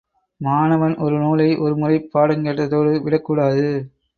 மாணவன் ஒரு நூலை ஒரு முறை பாடங் கேட்டதோடு விடக் கூடாது.